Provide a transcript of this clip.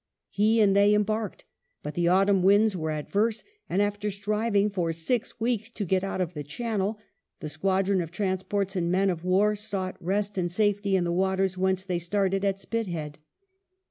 He and they embarked, but the autumn winds were adverse, and after striving for six weeks to get out of the Channel, the squadron of transports and men of war sought rest and safety in the waters whence they started at Spithead.